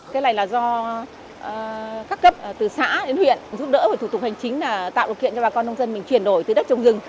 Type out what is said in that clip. cái này là do các cấp từ xã đến huyện giúp đỡ về thủ tục hành chính là tạo điều kiện cho bà con nông dân mình chuyển đổi từ đất trồng rừng